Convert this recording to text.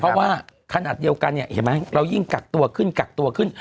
เพราะว่าขนาดเดียวกันเนี่ยเห็นไหมเรายิ่งกักตัวขึ้นกักตัวขึ้น